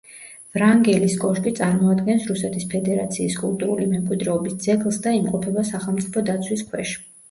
ვრანგელის კოშკი წარმოადგენს რუსეთის ფედერაციის კულტურული მემკვიდრეობის ძეგლს და იმყოფება სახელმწიფო დაცვის ქვეშ.